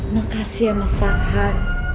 makasih ya mas farhan